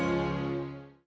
terima kasih ya